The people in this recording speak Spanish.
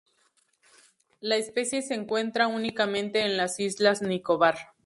La especie se encuentra únicamente en las islas Nicobar.